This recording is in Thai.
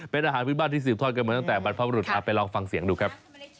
เป็นอาหารพื้นบ้านที่สืบทอดกันมาตั้งแต่บรรพบรุษไปลองฟังเสียงดูครับ